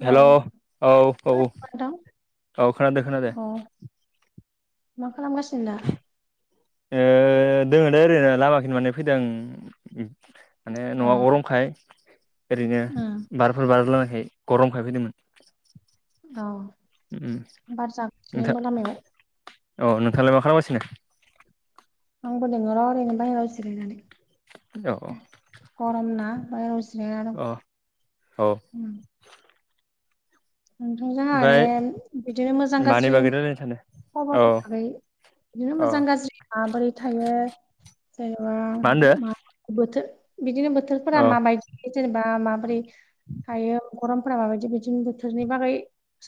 Hello hello औ-औ-औ नोंथां खोनादो-खोनादो। औ मा खालामगासिनो दा? ओ दोङ दे ओरैनो लामाखिनि माने फैदों। माने अ न'आव गरमखाय ओरैनो उम बारफोर बारलनायखाय गरमखाय फैदोंमोन ‌। औ उम बार जागासिनो नोंथां आबो लामायाव। अ नोंथाङालाय मा खालामगासिनो? आंगौ द रावनो बाय जिरायनानै। औ गरम ना बायाव जिरायना अ औ दं। उम नोंथांजों माने ओमफ्राय बिदिनो मोजां गा मानि बागौ लायरायनो सानदों? खबर औ हिसाबै बिदिनो अ मोजां गाज्रि माबोरै थायो जेनेबा मा बोथोर बिदिनो बोथोर फोरा अ माबायदि जेनेबा माबोरै हायो गरमफोरा माबायदि बिदिनो बोरनि बागै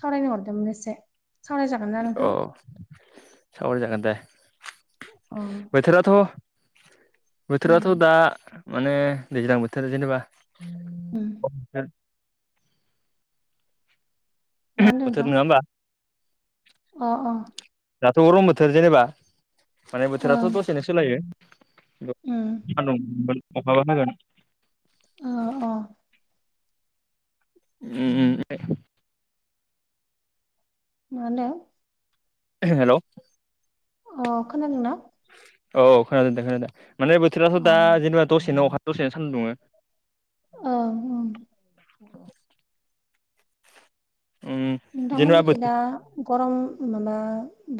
सावरायनो हरदोंमोन एसे। सावनाय जागोन ना? अ नोंथां? सावराय जागोन दे। अ बोथोराथ' उम बोथोराथ' दा माने दैज्लां बोथोर जेनेबा उम [unintelligible] [inaudible] मा होनदों बोथोर नोंथां? नङा होमबा अ-अ दाथ' गरं बोथोर जेनेबा माने बोथोराथ' ओं दसेनो सोलायो उम सान्दुं दुंगोन आखाबो हागोन ओ अ उम उम ए मानो [unintelligible] हेल' अ खोनादोंना? औ खोनादों दे खोनादों माने बोथोराथ' अ दा ओं जेनेबा दसेनो अखा दसेनो सान्दुं दुङो ओ औ उम जेनेबा नोंथांमोननिखि बोथोर दा गरम माबा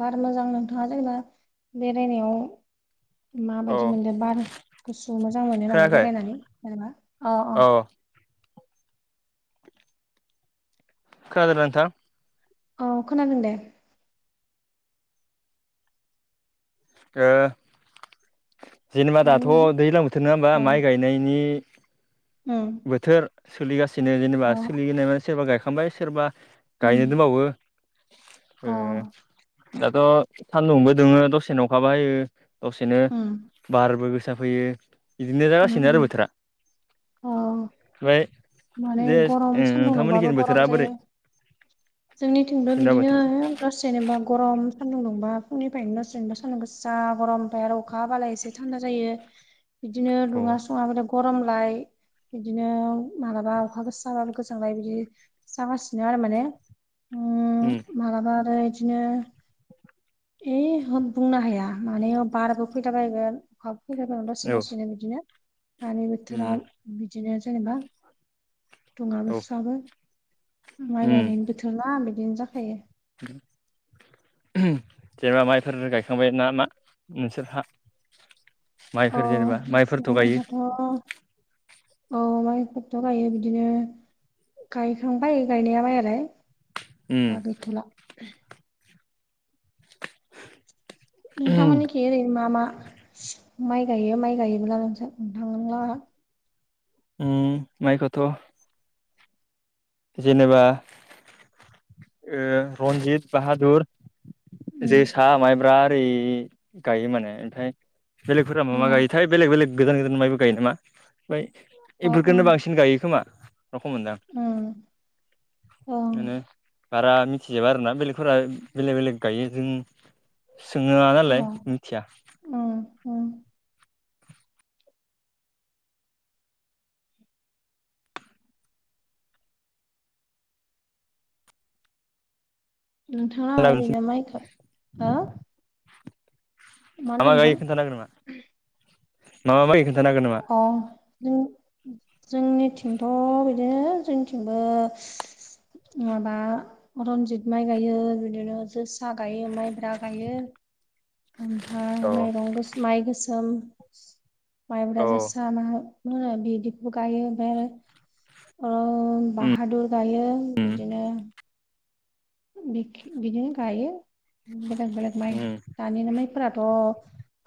बार मोजां नोंथाङा जेनेबा बेरायनायाव औ माबायदि मोनदों बार गुसु मोजां मोनो नामा खोनायाखै बेरायनानै जेनेबा अ अ औ खोना [unintelligible] नोंथां औ खोनादों दे ओ जेनेबा मा दाथ' होनदों दैज्लां बोथोर नङा होमबा अ माइ गायनायनि उम बोथोर सोलिगासिनो जेनेबा अ सोलि [unintelligible] सोरबा गायखांबाय सोरबा गायनो उम दोबावो अ ओ दाथ' सान्दुंबो दुङो दसेनो अंखाबो हायो दसेनो उम बारबो गोसा फैयो इदिनो उम जागासिनो उम आरो बोथोरा अ [inaudible] फ्राय माने दे गरम ओ सान्दुं नोंथांमोननि [unintelligible] बोथोरा बोरै जोंनि थिंबो जोंना बिदिनो बोथोर हे गासी जेनेबा गरम सान्दुं दुंबा फुंनिफायनो दसेनो [unintelligible] सान्दुं गोसा गरम [unintelligible] अखाहाबालाय इसे थान्दा जायो बिदिनो दुङा उम सङा [unintelligible] गरम लाय इदिनो मालाबा अखागोसा गोजांलाय बिदि जागासिनो आरो माने उम उम मालाबा आरो इदिनो इ होम बुंनो हाया माने अ बारबो फैला बायगोन खाब [unintelligible] दसि औ दसिनो बिदिनो हानि बोथोरा उम बि बिदिनो जेनेबा औ दुङाबो सुवाबो माइ उम गायनायनि बोथोरना बिदिनो जाखायो [unintelligible] [unintelligible] ना मा नोंसोरहा अ माइफोर जेनेबा माइफोरथ' गायो जोंहाथ' औ माइफोरथ' गायो बिदिनो गायखांबाय गायनायालाय आरो उम दा गैथ'ला नोंथांमोननिखे ओरै मा मा माइ गायो माइ गायोब्ला नोंसोर नोंथांला उम माइखौथ' जेनेबा ओ रन्जित बाहादुर उम जोसा माइब्रा ओरै गायो माने ओमफाय बेलेगफोरा मा मा गायो था फाय बेलेग बेलेग गोदान गोदान माइबो गायो नामा फाय अ एफोरखोनो बांसिन गायो खोमा रखम मोनदां उम ओं माने बारा मिथिजोबा आरोना बेलेगफोरा बेलेग बेलेग गायो जों सोङो ना अ नालाय मिथिया उम उम नोंथाङा ओरैनो माइखो हो मा होनदों मा नोंथां गायो खोन्थानो हागोन नामा मा मा माय खोन्थानो हागोन नामा अ जों जोंनिथिंथ' बिदिनो जोंनिथिंबो नुवाबा रनजित माइ गायो बिदिनो जोसा गायो माइब्रा गायो। ओमफाय औ माइरं गोस माइ गोसोम माइब्रा जोसा माहा मोना बिदिखौ गायो ओमफाय आरो ओ उम बाहादुर गायो उम बिदिनो बिखि बिदिनो गायो बेलेग बेलेग माइ। उम दानि नि माइफोराथ'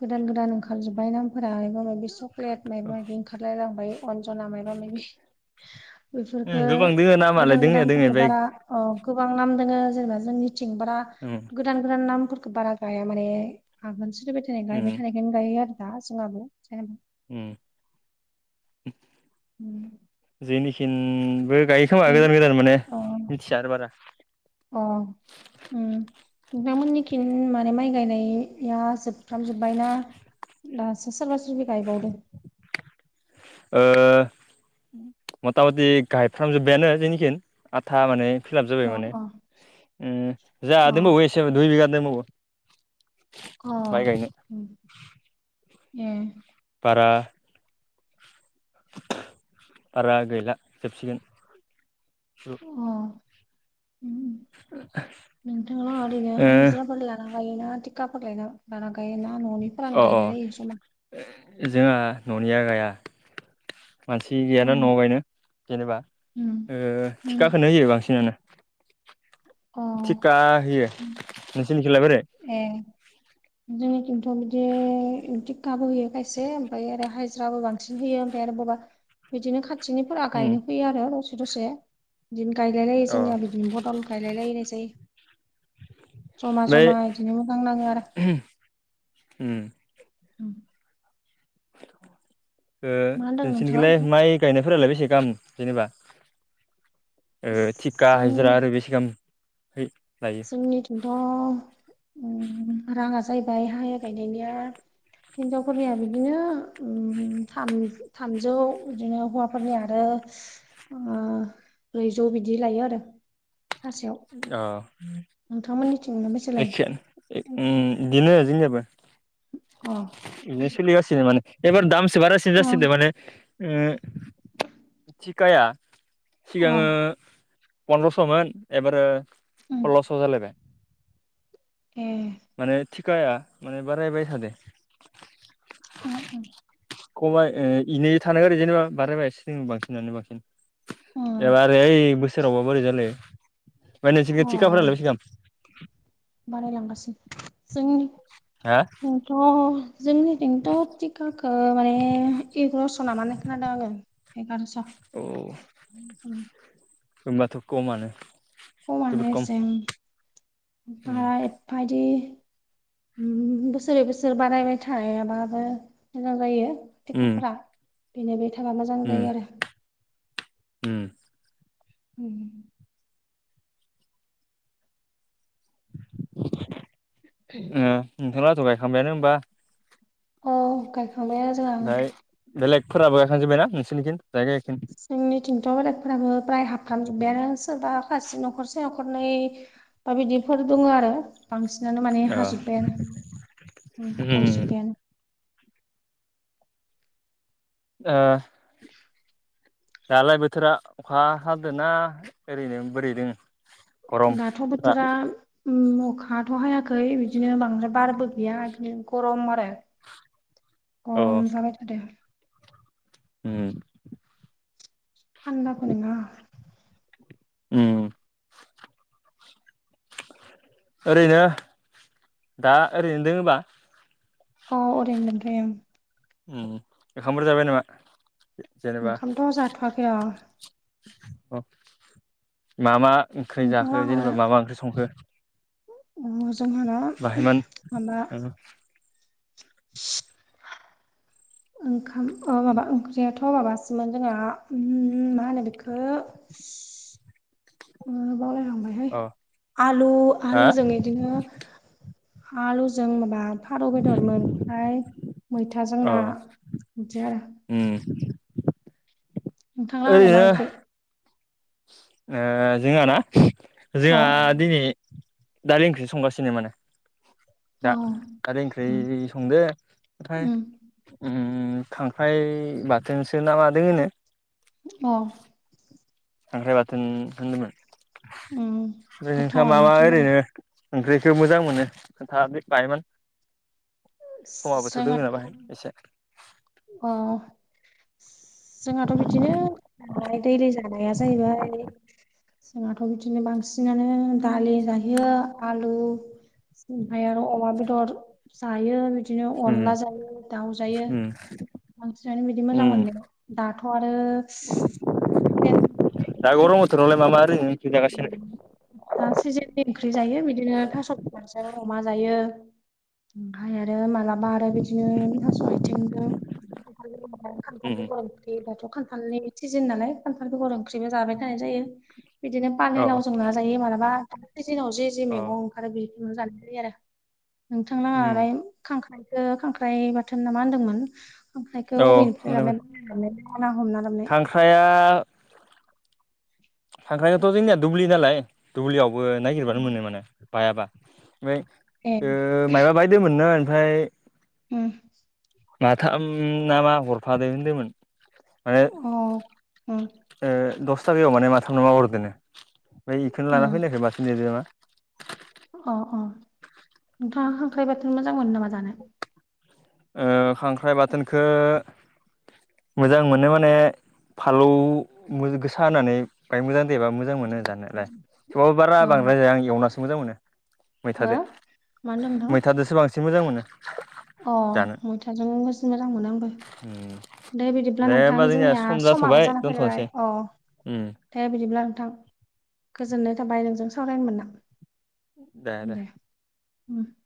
गोदान गोदान ओंखार जोब्बाय नामफोरा मायबा मायबि बे चक्लेट मायाबा मायबि ओंखारलायलांबाय अनजना मायबा मायबि उम बिफोरफोरखो गोबां दोङो नामालाय गोदान दोंनाया दोङो गोदानफोरखो ओमफ्राय बारा औ गोबां नाम दोंङो जेनेबा जोंनिथिंब्रा उम गोदान गोदान नामफोरखौ बारा गाया माने आगोन सोरिबाय थानाय उम गायबाय थानाय हेन गायो आरो दा जोंङाबो जेनेब उम उम जेनिखिनबो गायो खोमा उम गोदान गोदान माने अ मिथिया आरो बारा अ उम नोंथांमोननिखिन माने माइ गायनाया जोबफ्राम जोब्बायना? दासो सोरबा सोरबि गायबावदो ओ मथा मथि गायफ्रामजोबबायानो जेनिखिन आथा माने फिलाप जाबाय अ माने अ उम जा दोनबावो एसे दुइ बिघा दोनबावो अ ए बारा बारा गैला जोबसिगोन। अ उम उम नोंथांङा ओरैनो हाइजिराफोर ला ना गायोना थिखाफोर लायना लाना गायोना न'निफोरानो गायलायलै जमा उम जोंहा न'निया गाया। मानसि अ गैयाना न'आव गायनो जेनेबा उम ओ उम थिखाखौनो होयो बांसिनानो। अ थिखा होयो उम नोंसोरनि खिलाय बोरै? ए जोंनिथिंथ' बिदि दिखाबो होयो खायसे ओमफ्राय आरो हाजिराबो बां सिन होयो ओमफ्राय आरो बबा बिदिनो खा थिनिफोरा उम गायनो फैयो आरो दसे दसे बिदिनो गायलाय लायो अ जोंनिया बिदिनो बदल गायलायलायनाय जायो जमा ओमफ्राय जमा बिदिनो मोजां नांङो आरो। उम उम ओ मा होनदों नोंथाङा नोंसोरनिखौलाय ओमफ्राय माइ गायनायफोरालाय बेसे गाहाम जेनेबा ओ थिखा जों हायजिरा आरो बे सिगां लाय जोंनिथंथ' रांङा जाहैबाय हाय गायनायनिया हिनजावफोरनिया बिदिनो उम थाम थामजौ बिदिनो हौवा फोरनि आरो ओ ब्रैजौ बिदि लायो आरो सानसेयाव। अ नोंथांमोननिथिंनो बेसे लायो? एक उङ बिदिनो जोंनियाबो अ बिदिनो सोलि गसि माने एबार दामसो बारासिन अ जासोदो माने थिखाया अ सिगांङो पन्द्रस'मोन एबारो उम सल्ल'स' जालायबाय ए माने थिखाया माने बारायबाय थादो उम उम खबाय ए इनो थानागोन आरो जायनोबा बारायबायसो जों बांसिनानो बांसिन उम एबा आरो बै ओय बोसोरावबा बोरै जालाय ओमफाय अ नोंसोरखि थिखाफोरलाय बेसे दाम बारायलांगासिनो जोंनि हा आं थ' जोंनिथिंथ' थिकाखौ माने एग्रस' ना मा होनाय खोनादों आङो। एगारस औ उम होमबाथ' खमानो। खमानो जोबोद खम एसे उम। बा उम एबफा इदि उम बोसोरै बोसोर बानायबाय थायाबाबो मोजां जायो। उम थिखाफ्रा बेनो बे थाबा मोजां जायो आरो। उम उम ओ नोंथां लाहिथ' गायखांबायानो होमबा? औ गायख फाय बेलेगफोराबो गायखां जोबबायना नोंसोरनि खिन जायगायाखिन जोंनि थिंथ' बेलेखफोराबो फ्राय हाबखांजोब्बाय आरो सोरबा खासि न'खरसे न'खरनै दा बिदिफोर दङ आरो। बांसिनानो माने अ हाजोबबायानो उम उम गायजोबबायानो। आ [inaudible] दालाय बोथोरा अखा हादोना ओरैनो बोरै दों? दाथ' बोथोरा उम अखाथ' हायाखै बिदिनो बांद्राय बारबो गैया बिनो गरम आरो। अ गरम जाबाय थादों। उम थानदा फानिङा उम ओरैनो दा ओरैनो दोङोबा? अऊ ओरैनो दोन्थ'यो ओं उम एखामफोर जाबाय नामा? जेनेबा ओंखामथ' जाथ'वाखै र' अ' मा मा ओंख्रि नोंथां जाखो लाहा जेनेबा माबा ओंख्रि संखो? अ' ओ जोंहा ना बाहायमोन उम ओंखाम ओ माबा ओंख्रियाथ' माबासोमोन जोङा मा होनो बेखो [inaudible] ओ बावलाय लांबायहाय अ आलु अ आलुजों इदिनो आलुजों माबा फारौ बेदरमोन फाय मैथाजों ना बिदि आरो। उम नोंथांलाहालाय मा ओलैनो ओंख्रि ओ जोंहा ना अ जोंहा दिनै दालि ओंख्रि संगासिनो माने अ दा उम खारै ओंख्रै संदो थाय उम उम खांख्राइ बाथोनसो ना मा दोङोनो। अ' खांख्राइ बाथोन होनदोमोन। उम फ्राय नोंसा गोथावानो मा मा माथो होमबालाय ओरैनो ओंख्रिखो मोजां मोनो खोनथा बे बायमोन। समाबोथ' दोङो ना जोंहाथ' बाहाय एसे अ' जोंहाथ' बिदिनो बाय दैलि जानाया जाहैबाय जोंहाथ' बिदिनो बांसिनानो दालि जायो। आलु ओमफाय आरो अमा बेदर जायो बिदिनो उम अनला जायो दाउ जायो। उम बांसिनानो बिदि मोजां उम मोननाय दाथ' आरो देन दा गरम बोथोरावलाय मा मा ओरैनो ओंख्रि जागासिनो। दा सिजेननि ओंख्रि जायो बिदिनो थास' बिसंजों अमा जायो। ओमफ्राय आरो मालाबा आरो बिदिनो थास' आथिंजों [unintelligible] बे उम दाथ' खान्थालनि सिजन नालाय खान्थाल बेगर ओंख्रिबो जाबाय थानाय जायो। बिदिनो अ फानिलावजों ना जायो मालाबा दाखालि दिनाव जे जे अ मैगं आरो बेखौनो जानाजायो आरो नोंथांङा उम [unintelligible] खांख्राइखौ खांख्राइ बाथोन ना मा होन्दोंमोन खांख्राइखौ औ अबेनिफ्राय [unintelligible] [unintelligible] ख्राया खांख्रायआथ' जोंनिया दुब्लि नालाय दुब्लियावबो नायगिरबानो मोनो माने। बायाबा ओमफ्राय ए ओ मायबा बायदि [unintelligible] ओमफ्राय हम माथाम नामा हरफादो होनदोंमोन अ उम उम [unintelligible] [unintelligible] अ अ नोंथाङा खांख्राय बाथोन मोजां मोनो नामा जानो। ओ खांख्राइ बाथोनखौ मोजां मोनो माने फालौ गोसा होनानै बाय मोजां देबा मोजां मोनो जानोलाय थेवबाबो बारा अ बांद्राय जाया आं एवनासो मोजां मोनो। हो मैथाजों मा होनदों नोंथां मैथाजोंसो बांसिन मोजां मोनो। अ जानो मैथाजों [unintelligible] मोजां मोनो आंबो। दे बिदिब्ला नोंथां होमबा जोंनिया सम जाथ'बाय समाबो जाना फैलायबाय दोनथ'नोसै अ। उम। दे बिदिब्ला नोंथां गोजोननाय थाबाय नोंजों सावरायनो मोनना। दे दे [inaudible]